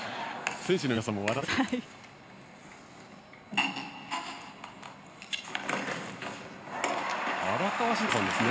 選手の皆さんも笑っていますね。